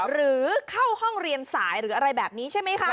หรือเข้าห้องเรียนสายหรืออะไรแบบนี้ใช่ไหมคะ